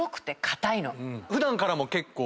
普段からも結構。